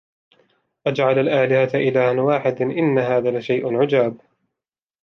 أجعل الآلهة إلها واحدا إن هذا لشيء عجاب